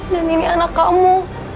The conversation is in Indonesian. dan ini anak kamu